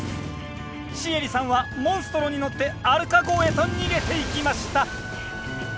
シエリさんはモンストロに乗ってアルカ号へと逃げていきました